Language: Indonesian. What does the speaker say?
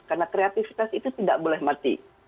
karena kreatifitas itu tidak boleh mati